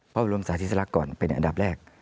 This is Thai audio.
พระบรมศาสตร์ที่สลักก่อนเป็นอันดับแรก